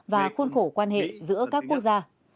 và khuôn khổ quan hệ giữa các quốc gia